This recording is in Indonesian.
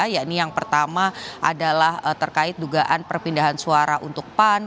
yakni yang pertama adalah terkait dugaan perpindahan suara untuk pan